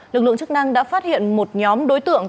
lực lượng chức năng đã phát hiện một nhóm đối tượng